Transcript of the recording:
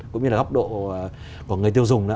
cũng như là góc độ của người tiêu dùng